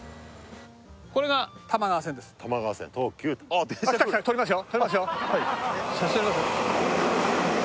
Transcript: これが多摩川線です多摩川線東急撮りますよ